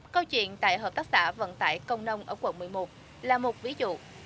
câu chuyện tại hợp tác xã vận tải công nông ở quận một mươi một là một ví dụ